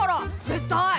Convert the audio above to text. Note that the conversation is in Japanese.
絶対！